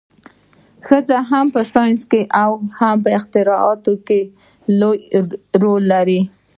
ښځې هم په ساینس او اختراعاتو کې لوی رول لري.